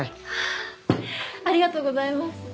ありがとうございます。